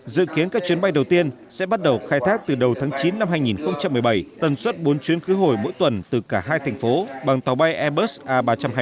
dự kiến các chuyến bay đầu tiên sẽ bắt đầu khai thác từ đầu tháng chín năm hai nghìn một mươi bảy tần suất bốn chuyến khứ hồi mỗi tuần từ cả hai thành phố bằng tàu bay airbus a ba trăm hai mươi bốn